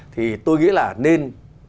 thì tôi nghĩ là nên